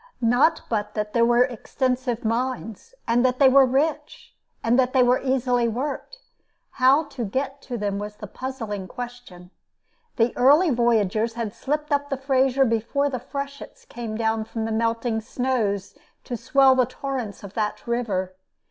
Not but that there were extensive mines, and that they were rich, and that they were easily worked; how to get to them was the puzzling question. The early voyagers had slipped up the Fraser before the freshets came down from the melting snows to swell the torrents of that river.